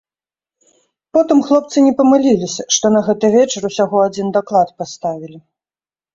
Потым хлопцы не памыліліся, што на гэты вечар усяго адзін даклад паставілі.